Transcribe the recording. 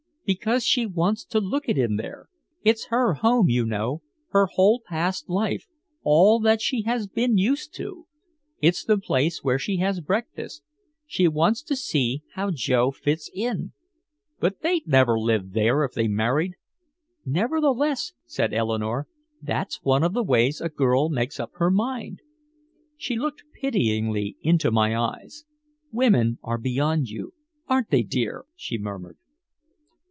"Because she wants to look at him there. It's her home, you know, her whole past life, all that she has been used to. It's the place where she has breakfast. She wants to see how Joe fits in." "But they'd never live there if they married!" "Nevertheless," said Eleanore, "that's one of the ways a girl makes up her mind." She looked pityingly into my eyes. "Women are beyond you aren't they, dear?" she murmured.